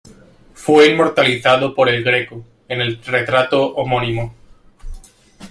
Fue inmortalizado por El Greco en el retrato homónimo.